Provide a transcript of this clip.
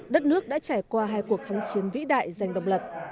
đất nước đã trải qua hai cuộc kháng chiến vĩ đại dành động lực